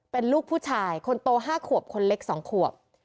เป็นลูกผู้ชายคนโต๕ขวบคนเล็ก๒ขวบ